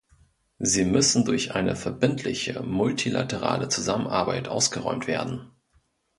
Sie müssen durch eine verbindliche multilaterale Zusammenarbeit ausgeräumt werden.